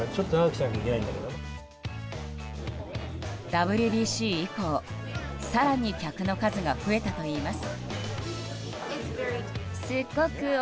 ＷＢＣ以降更に客の数が増えたといいます。